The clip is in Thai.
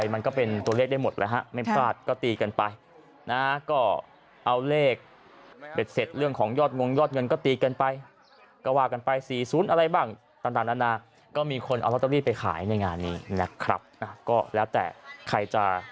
มันก็เป็นตัวเลขได้หมดเลย